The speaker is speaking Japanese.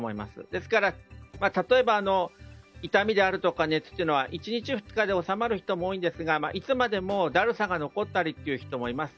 ですから、例えば痛みであるとか熱っていうのは１日２日で治まる人も多いんですがいつまでもだるさが残る人もいます。